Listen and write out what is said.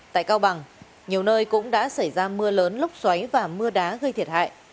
tại cao bằng nhiều nơi cũng đã xảy ra mưa lớn lốc xoáy và mưa đá gây thiệt hại